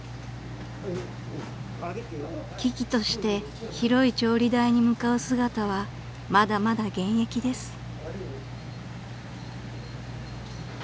［喜々として広い調理台に向かう姿はまだまだ現役です］